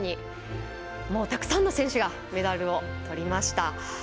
たくさんの選手がメダルをとりました。